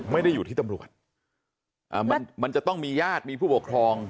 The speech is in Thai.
ไม่ได้อยู่ที่ตำรวจมันมันจะต้องมีญาติมีผู้ปกครอง